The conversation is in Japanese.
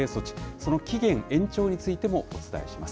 その期限延長についてもお伝えします。